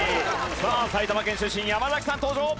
さあ埼玉県出身山崎さん登場。